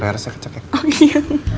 karena saya kecek ya